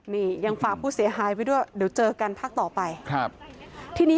นี่ยังฝากผู้เสียหายไปด้วยเดี๋ยวเจอกันภาคต่อไป